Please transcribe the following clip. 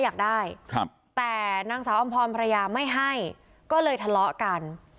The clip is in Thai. อยากได้ครับแต่นางสาวอำพรภรรยาไม่ให้ก็เลยทะเลาะกัน